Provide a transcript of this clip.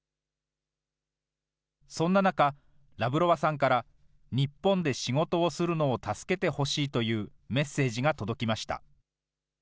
そんな中、ラブロワさんから、日本で仕事をするのを助けてほしいというメッセージが届きました。